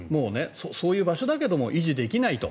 そういう場所だけど維持できないと。